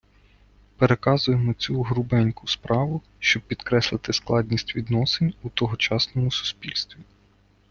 Переказуємо цю грубеньку справу, щоб підкреслити складність відносин у тогочасному суспільстві.